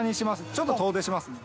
ちょっと遠出しますね。